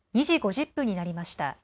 ２時５０分になりました。